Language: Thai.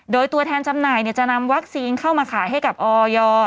โดยตัวแทนจำหน่ายจะนำวัคซีนเข้ามาขายให้กับออย